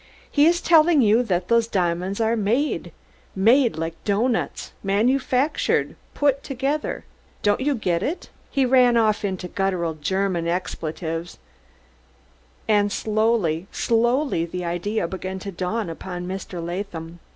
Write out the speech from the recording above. "He iss delling you dat dose diamonds are made made like doughnuds, mitoud der hole; manufactured, pud togedher. Don'd you ged id?" He ran off into guttural German expletives; and slowly, slowly the idea began to dawn upon Mr. Latham.